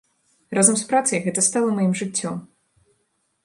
Разам з працай гэта стала маім жыццём.